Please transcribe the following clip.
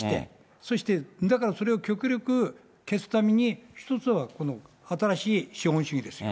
そしてだからそれを極力消すために、１つはこの新しい資本主義ですよ。